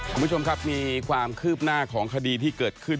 คุณผู้ชมครับมีความคืบหน้าของคดีที่เกิดขึ้น